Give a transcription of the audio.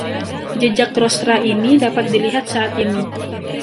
Jejak Rostra ini dapat dilihat saat ini.